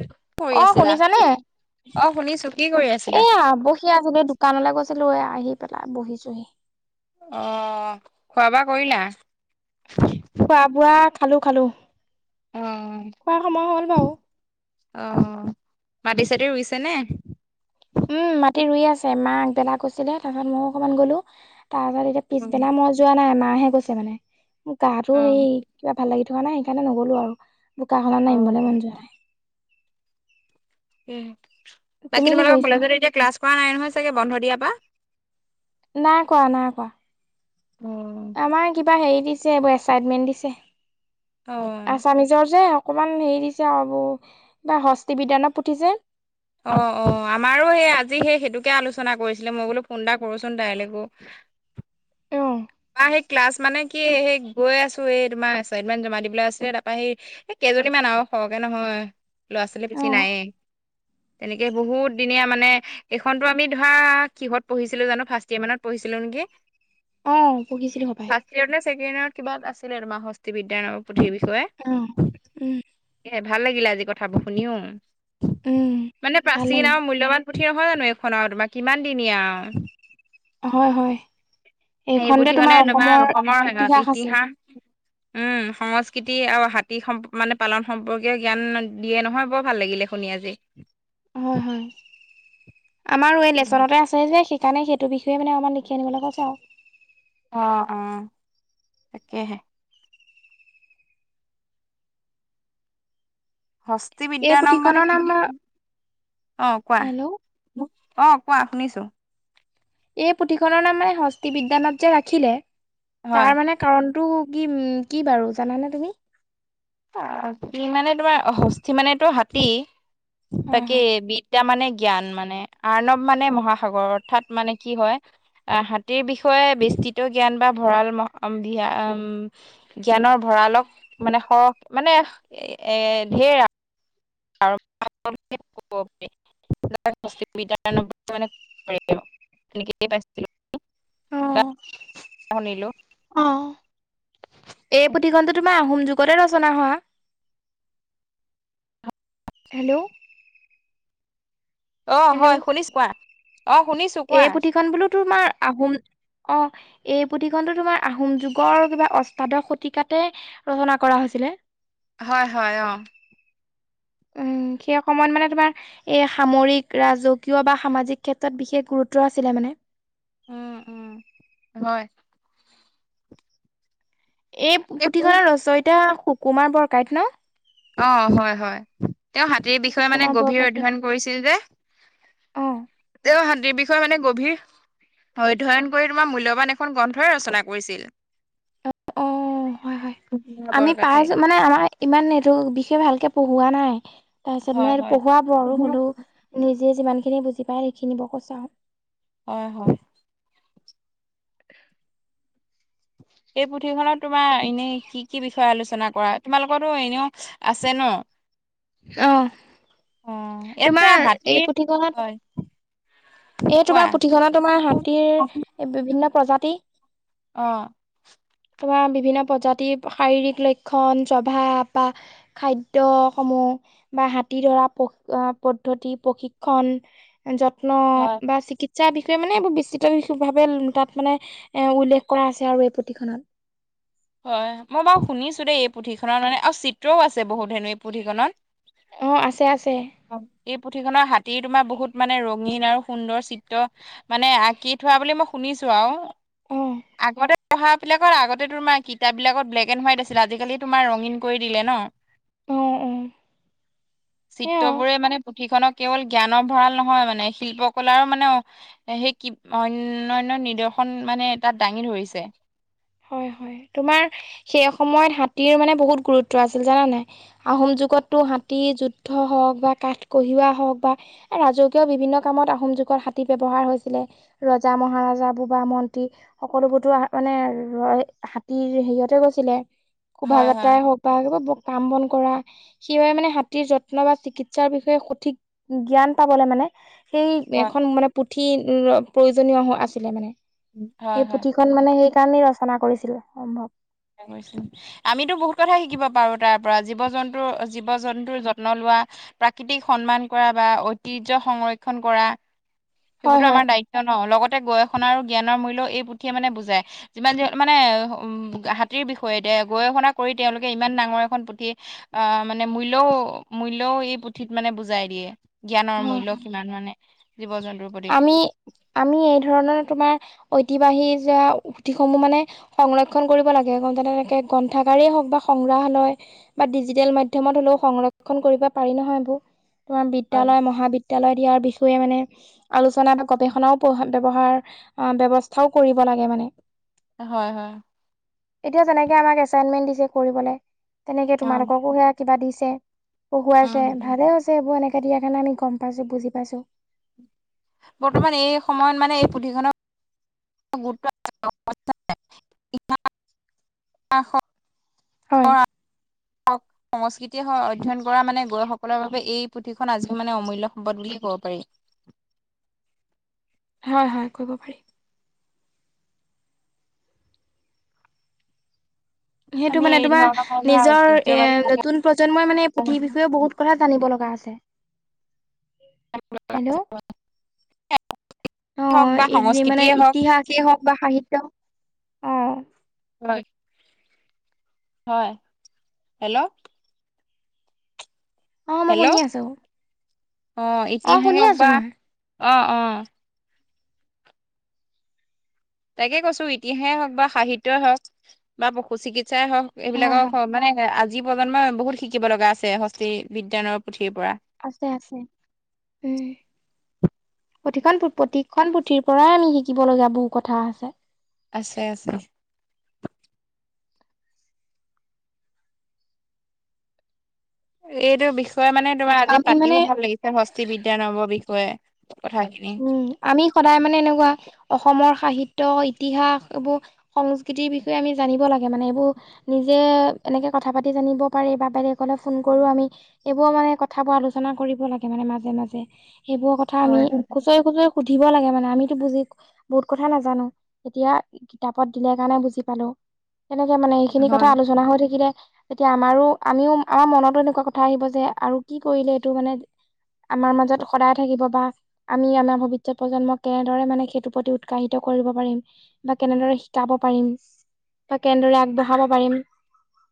কি কৰি অ আছিলা শুনিছানে অ', শুনিছো কি কৰি আছিলা? আহ বহি আছিলো দোকানলৈ গৈছিলো এ আহি পেলাই বহিছোহি। অ', খোৱা বোৱা কৰিলা? খোৱা বোৱা খালো খালো অ খোৱাৰ সময় হ'ল বাৰু। অ', মাটি চাটি ৰুইছে নে? উম মাতি ৰুই আছে মা আগবেলা কৈছিলে তাৰ পাছত মইও অকণমান গ'লো তাৰ পাছত এতিয়া উম পিছবেলা মই যোৱা নাই মাহে গৈছে মানে মোৰ গাো অ হে কিবা ভাল লাগি থকা নাই সেইকাৰণে নগলো আৰু। বোকাখনত অ ন আহমিবলৈ মন যোৱা হয়। উম তুমি বাকী কি তোমালোকৰ কৰিছা কলেজত এতিয়া ক্লাছ কৰা নাই নহয় চাগে বন্ধ দিয়াৰ পৰা নাই কৰাৱা নাই কোৱা অ আমাৰ কিবা হেৰি দিছে এইবোৰ এচাইনমেন্ট দিছে অ আছামিজৰ যেক অকণমান হেৰি দিছে আৰু কিবা হস্তি বিদ্যানত পঠিছে অ', অ', আমাৰো সেই আজি সেই সেইটোকে আলোচনা কৰিছিলে মই বোলো ফোন এটা কৰোচোন তাইলৈকো অ' সেই ক্লাছ মানে কি সেই গৈ আছো এই তোমাৰ এচাইনমেন্ট জমা দিবলৈ আছিলে তাৰপৰা সি এই কেইজনীমান আৰু সৰহকে নহয় ল'ৰা ছোৱালী পিছি অ নায়ে তেনেকে বহুত দিনেয়া মানে এইখনতো আমি ধৰা কিহত পঢ়িছিলো জানো ফাৰ্ষ্ট ইয়োৰ মানতঢ়ছিলো নেকি অ', পঢ়িছিলো হপায় ফাৰ্ষ্ ইয়েৰ নেকেণ্ড ইয়েৰত কিবা আছিলে মা হসি বিদ্যান পুথিৰ বিষয়ে অ', উম এ ভাল লাগিলে আজি কথাবোৰ শুনিও উম, মানে ভাল লাগিলে প্ৰাচীনামৰ মূল্যৱান উঠি নহয় জানো এইখন আৰু তোমাৰ কিমানিনীয়া আৰু হয় হয় এইেই খতে তোমাৰ অসমৰ ইতিহাস আছে [inaudible] উম সংস্কৃতি আৰু হাতী সম মানে পালন সম্পৰ্কে জ্ঞান দিয়ে নহয় বৰ ভাল লাগিলে। শুনা যে হয় হয় আমাৰ এই লেচনতে আছে যে তণে সেইটো বিষয়ে মানে অকমান লি আনিব কৈছে আৰু অ', অ', তাকয়হে হস্তি বিদ্য এই নাম মানে পুথিখনৰ কি মা- অ', কোৱা হেল্ল' অ', কোৱা শুনিছো এই পুথিখনৰ নাম মানে হস্তি বিদ্যানবত যে ৰাখিলে হয় তাৰ মানে কাৰণটো কি কি বাৰু জানানে তুমি মানে তোমাৰ হস্থি মানে তো হাতী হয়, তাকে হয়, বি এতিয়া মানে জ্ঞান মানে আৰ্ণৱ মানে মহাসাগৰ অৰ্থাৎ মানে কি হয় আহ হাতীৰ বিষয়ে বিস্তৃত জ্ঞান বা ভঁৰাল জ্ঞানৰ ভঁৰালক মানে সৰহ মানে এ ধঢেৰ আৰু [inaudible] পাইছিল অ' শনিলো অ', এই পুথিখনটো তোমাৰ আহোম ক'ট ৰচনা হোৱা হেল্ল' অ হেল্ল' হয় শুনিছো কোৱা অ শুনিছো কোৱা এই পুথিখন বোলো তোমাৰ আহোম অ' এই পুথিখনটো তোমাৰ আহোম যুগৰ কিবা অষ্টাদশ শতিকাতে ৰচনা কৰা হৈছিলে। হয় হয় অ' উম সি অকমান মানে তোমাৰ এ সামৰিক ৰাজকীয় বা সামাজিক ক্ষেত্ৰত বিশেষ গুৰুত্ব আছিলে মানে উম উম হয়। এই পুথিখনৰ ৰচ এটা সুকুমাৰ বৰকাইত ন অ', হয় হয় তেওঁ হাতীৰ বিষয়ে মানে সুকুমাৰ গভীৰ বৰকাইত অধ্যয়ন কৰিছিল যে অ তেওঁ হাতীৰ বিষয়ে মানে গভীৰ অধ্যয়ন কৰি তোমাৰ মূল্যবান এখন গ্ৰন্থই ৰচনা কৰিছিল। অ' হয় হয় আমি প বৰকথাই মানে আমাৰ ইমান এইটো বিশেষ ভালকে পঢ়োৱা নাই, তাৰপিছত হয়, মানে হয়। পঢ়োৱাব আৰু হলেও নিজেই যিমানখিনি বুজি পায় সেইখিনি বৰ কৈ চোৱা হয়। হয়, হয়। এই পুথিখনত তোমাৰ এনে কি কি বিষয়ে আলোচনা কৰা? তোমালোকৰটো এনেও আছে ন। আহ অ', ইয়াত যে তোমাৰ এই হাতীৰ পুথিখনত হয়, এ কোৱা। তোমাৰ পুথিখনত তোমাৰ হাতীৰ বিভিন্ন প্ৰজাতি অ। তোমাৰ বিভিন্ন প্ৰজাতিৰ শাৰীৰিক লক্ষণ, স্বভাৱ বা খাদ্য সমূহ বা হাতী ধৰা পদ্ধতি, প্ৰশিক্ষণ যত্ন হয়, বা চিকিৎসা যাৰ বিষয়ে মানে এইবোৰ বিস্তৃত ভাৱে তাত মানে এ উল্লেখ কৰা আছে আৰু এই পুথিখনত। হয় মই বাৰু শুনিছো দেই এই পুথিখনৰ মানে আৰু চিত্ৰও আছে বহুত হেনো এই পুথিখনত। অ' আছে আছে। অ' এই পুথিখনৰ হাতী তোমাৰ বহুত মানে ৰঙীন আৰু সুন্দৰ চিত্ৰ মানে আঁকি থোৱা বুলি মই শুনিছো আৰু অ আগতে পঢ়া বিলাকত আগতে তোমাৰ কিতাপ বিলাকত ব্লেক এড হোৱাইট আছিলে আজিকালি তোমাৰ ৰঙীণ কৰি দিলে ন। অ অ চিত্ৰ সেয়া বোৰে মানে সিখনক কেৱল জ্ঞানৰ ভঁৰাল নহয় মানে শিল্পকলাৰো মানে সেই কি অনন্য নিদৰ্শন মানে তাত দাঙি ধৰিছে। হয়, হয় তোমাৰ সেই সময়ত হাতীৰ মানে বহুত গুৰুত্ব আছিল জানান নাই? আহোম যুগততো হাতী যুদ্ধ হওঁক বা কাঠ কঢ়িওৱা হওঁক বা ৰাজকীয় বিভিন্ন কামত আহোম যুগত হাতী ব্যৱহাৰ হৈছিলে। ৰজা, মহাৰজা বুবা মন্ত্ৰী সকলোবোৰতো মানে হাতীৰ হেৰিয়তে গৈছিলে। হয় হয় শোভাযাত্ৰাই হওঁক বা কাম বন কৰা। সেই বাবে মানে হাতীৰ যত্ন বা চিকিৎসাৰ বিষয়ে সঠিক জ্ঞান পাবলে মানে সেই হয় এখন মানে পুথি প্ৰয়োজনীয় আছিলে মানে হয় সেই হয় পুথি সেইখন মানে সেইকাৰণেই ৰচনা কৰিছিল সম্ভৱ। হয় কৈছো। [inaudible] আমিতো বহুত কথাই শিকিব পাৰো তাৰ পৰা জীৱ জন্তুৰ জীৱ জন্তুৰ যত্ন লোৱা। প্ৰাকৃতিক সন্মান কৰা বা ঐতিহ্য সংৰক্ষন কৰা হয় সেইবোৰতো হয় আমাৰ দায়িত্ব। ন লগতে গৱেষণা আৰু জ্ঞানৰ মূল্যও এই পুথিয়ে মানে বুজাই যিমান যিহ মানে উ। পুথি বিষয়ে গৱেষণা কৰি তেওঁলোকে ইমান ডাঙৰ এখন পুথি আহ মানে মূল্যও মূল্যও এই পুথিত মানে বুজাই দিয়ে। জ্ঞানৰ হয় মূল্য কিমান মানে জীৱ জন্তুৰ। প্ৰতি আমি আমি এই ধৰণৰ তোমাৰ ঐতিবাহী যোৱা পুথিসমূহ মানে সংৰক্ষণ কৰিব লাগে তেনেকে গ্ৰন্থাগাৰেই হওঁক বা সংগ্ৰাহালয় বা ডিজিটেল মাধ্যমত হ'লেও সংৰক্ষণ কৰিব পাৰি নহয় এইবোৰ। তোমাৰ হয় বিদ্যালয় মহাবিদ্যালয়ত ইয়াৰ বিষয়ে মানে আলোচনা বা গৱেষণাও ব্যৱহাৰ ব্যৱস্থাও কৰিব লাগে মানে। হয় হয়। এতিয়া যেনেকে আমাক এচাইমেম্ট দিছে কৰিবলৈ, তেনেকে অ তোমালোকো সেয়া কিবা দিছে পঢ়োৱাইছে উম ভালে হৈছে, এইবোৰ এনেকে দিয়াৰ কাৰণে আমি গম পাইছোঁ, বুজি পাইছোঁ। বৰ্তমান এই সময়ত মানে এই পুথিখনত গুৰুত্ব। [inaudible] ক। হয় [unintelligible] সংস্কৃতিয়ে হওঁক অধ্যয়ন কৰা মানে গৈসকলৰ বাবে এই পুথিখন আজিও মানে অমূল্য সম্পদ বুলি ক'ব পাৰি। হয় হয় কৰিব পাৰি। সেইটো আমি মানে এই তোমাৰ ধৰণৰ ধৰা নিজৰ এ ঐতিহ্যবাহী নতুন প্ৰজন্ময়ে মানে এই পুথিৰ বিষয়েও বহুত। চবেই জানিব লগা আছে। হেল্ল' হওক বা সংস্কৃতিয়ে হওক। সেই হওক বা সাহিত্য হও অ। হয় হয় হেল্ল'। অ মই শুনি হেল্ল' আছো অ শুনি ইতিহাসওক আছো বা মই অ অ। তাকে কৈছো ইতিহাসেই হওক বা সাহিত্যই হওক বা পশু চিকিৎসাই হওক হয় এইবিলাকৰ স হয় মানে হে আজি প্ৰজন্মই বহুত শিকিব লগা আছে হস্তি বিজ্ঞানৰ পুথিৰ পৰা আছে আছে উম প্ৰতিখন প্ৰতিখন পুথিৰ পৰাই আমি শিকিবলগীয়া বহু কথা আছে আছে আছে এইটো বিষয়ে মানে তোমাৰ আজি আমি মানে পাতিও ভাল লাগিছে হস্তি বিজ্ঞানৰ বিষয়ে কথা উ উম আমি সদায় মানে এনেকুৱা অসমৰ সাহিত্য ইতিহাস এইবোৰ সংস্কৃতিৰ বিষয়ে আমি জানিব লাগে মানে এইবোৰ নিজে এনেকৈ কথা পাতি জানিব পাৰি বা বেলেকলৈ ফোন কৰোঁ আমি এইবোৰৰ মানে কথাবোৰ আলোচনা কৰিব লাগে মানে মাজে মাজে এইবোৰৰ কথা আমি হয়। খুচৰি খুচৰি সুধিব লাগে মানে আমিতো বুজি বহুত কথা নাজানো এতিয়া কিতাপত দিলে কাৰণে বুজি পালো তেনেকে মানে সেইখিনি কথা হয় আলোচনা হৈ থাকিলে তেতিয়া আমাৰো আমিও আমাৰ মনতো এনেকুৱা কথা আহিব যে আৰু কি কৰিলে এইটো মানে আমাৰ মাজত সদায় থাকিব বা আমি আমাৰ ভৱিষ্যত প্ৰজন্মক কেনেদৰে মানে সেইটোৰ প্ৰতি উৎসাহিত কৰিব পাৰিম বা কেনেদৰে শিকাব পাৰিম বা কেনেদৰে আগবঢ়াব পাৰিম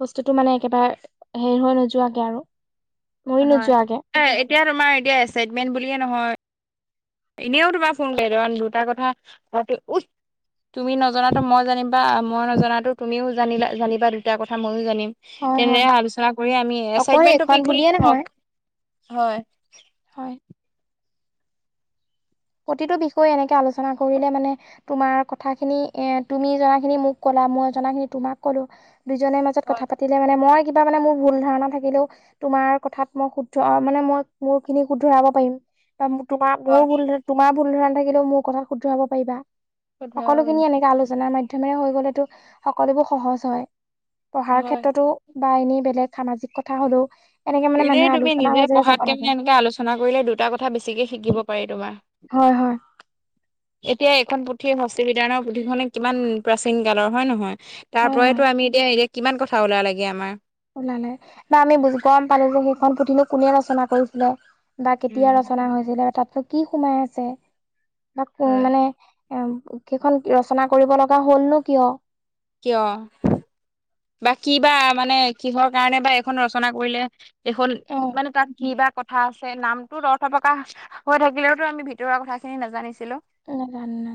বস্তুটো মানে একেবাৰে হেৰি হৈ নোযোৱাকে আৰু মৰি হয় নোযোৱাকে এতিয়া তোমাৰ এতিয়া এচাইনমেন্ট বুলিয়ে নহয় এনেও তোমাৰ ফোন কৰি দুটা কথা পাতি উচ তুমি নজনাতো মই জানিম বা মই নজনাতো তুমিও জানিলা জানিবা দুটা কথা ময়ো জানিম হয় তেনে হয় আলোচনা কৰি আমি অকল একচাইটমেন্ট টো পিক এইখন বুলি বুলিয়ে ধৰক নহয় হয় হয় প্ৰতিটো বিষয়ে এনেকে আলোচনা কৰিলে মানে তোমাৰ কথা খিনি এ তুমি জনা খিনি মোক ক'লা মই জনা খিনি তোমাক কলো দুইজনে ম জত হয় কথা পাতিলে মানে মই কিবা মানে মোৰ ভুল ধাৰণা থাকিলেও তোমাৰ কথাত মই শুদ্ধ মানে মই মোৰ খিনি শুধৰাব পাৰিম বা তোমাৰ মোৰ হয় ভ তোমাৰ ভুল ধাৰণা থাকিলেও মোৰ কথাত শুদ্ধ হব পাৰিবা কথাও সকলোখিনি এনেকে আলোচনাৰ মাধ্যমেৰে হৈ গলেতো সকলোবোৰ সহজ হয় পঢ়াৰ হয় ক্ষেত্ৰতো বা এনেই বেলেগ সামাজিক কথা হলেও এনেকে মানে এনেই মানুহে তুমি আলোচনাৰ নিজে মাজেৰে যাব পঢ়াতকে লাগে মানে এনেকে আলোচনা কৰিলে দুটা কথা বেছিকে শিকিব পাৰি তোমাৰ হয় হয় [inaudible] এতিয়া এখন পুথি হস্তি বিজ্ঞানৰ পুথিখনে কিমান প্ৰাচীন কালৰ হয় নহয় হয় হয় তাৰপৰাইতো আমি এতিয়া এতিয়া কিমান কথা ওলাল লেগে আমাৰ ওলালে ন আমি গম পালো যে সেইখন পুথিনো কোনে ৰচনা কৰিছিলে বা কেতিয়া উম ৰচনা হৈছিলে বা তাতনো কি সোমাই আছে বা হয়। মানে এ সেইখন ৰচনা কৰিব লগা হ'লনো কিয় কিয় বা কি বা মানে কিহৰ কাৰণে বা এইখন ৰচনা কৰিলে এখন মানে তাত কিবা ক থা আছে নামটোত অৰ্থ প্ৰকাশ হৈ থাকিলেওতো আমি ভিতৰুৱা কথাখিনি নেজানিছিলো ন ন ন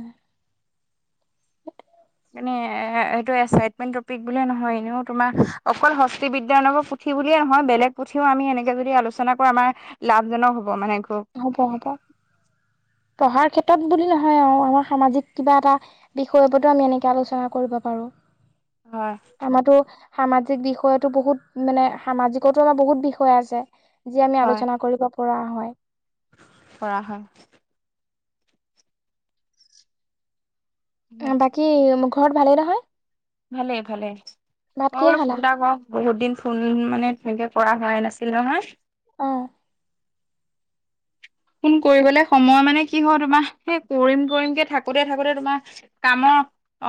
মানে এ এইটো এচাইটমেন্ট টপিক বুলিয়ে নহয় এনেও তোমাৰ অকল হস্তি বিজ্ঞান পুথি বুলিয়ে নহয় বেলেগ পুথিও আমি এনেকৈ যদি আলোচনা কৰোঁ আমাৰ লাভজনক হ'ব মানে খুব হ'ব হ'ব পঢ়াৰ ক্ষেত্ৰত বুলি নহয় আৰু আমাৰ সামাজিক কিবা এটা বিষয় ওপৰতো আমি এনেকে আলোচনা কৰিব পাৰো হয় আমাতো সামাজিক বিষয়তো বহুত মানে সামাজিকতো আমাৰ বহুত বিষয় আছে যি আমি হয় আলোচনা কৰিব পৰা হয় কৰা হয় বাকী ঘৰত ভালেই নহয় ভালে ভালে ভাত মই কিহে বোলেো ফোন খালা এটা কৰওঁ বহুত দিন ফোন মানে তেনেকে কৰা হোৱাই নাছিল নহয় অ ফোন কৰিবলে সময় মানে কি হয় তোমাৰ সেই কৰিম কৰিম কেে থাকোতে থাকোতে তোমাৰ কামৰ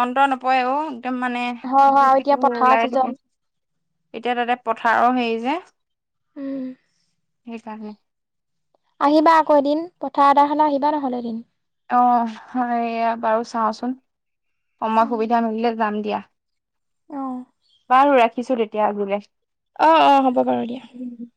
অন্ত নপৰে একদম মানে হয় ইটো হয় আৰু এতিয়া সিটো পথাৰ ওলাই থাকে চিজন এতিয়া তাতে পথাৰৰ হেৰি যে উঁম কাৰণে আহিবা আকৌ এদিন পথাৰ এদাৰখ আহিবা নহ'লে এদিন অ হয় এইয়া বাৰু চাওঁচোন সময় উম সুবিধা মিলিলে যাম দিয়া অ বাৰু ৰাখিছো তেতিয়া আগ্ৰাই অ অ হ'ব বাৰু দিয়া ও